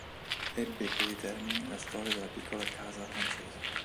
Ebbe così termine la storia della piccola Casa francese.